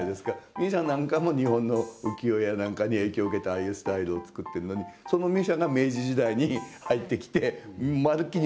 ミュシャなんかも日本の浮世絵や何かに影響を受けてああいうスタイルを作っているのにそのミュシャが明治時代に入ってきてまるっきり